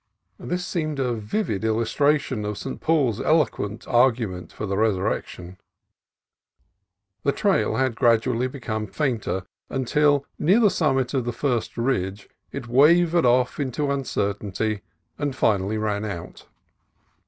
They seemed a vivid illustration of St. Paul's eloquent argument for the resurrection. The trail had gradually become fainter, until, near the summit of the first ridge, it wavered off into uncertainty and finally ran out.